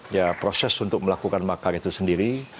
ya proses untuk melakukan makar itu sendiri